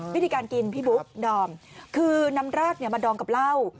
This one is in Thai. วิธีการกินพี่บุ๊คดอมคือนำรากมาดองกับเหล้า